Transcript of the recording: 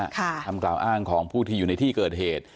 คำกล่าวอ้างของผู้ที่อยู่ในที่เกิดเหตุ